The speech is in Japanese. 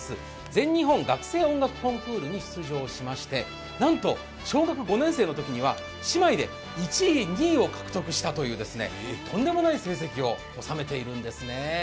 全日本学生音楽コンクールに出場しましてなんと小学５年生のときには姉妹で１位、２位を獲得したというとんでもない成績を収めているんですね。